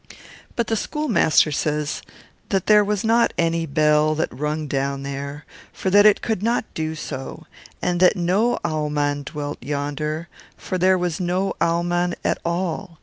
But the schoolmaster says that there was not any bell that rung down there, for that it could not do so; and that no Au mann dwelt yonder, for there was no Au mann at all!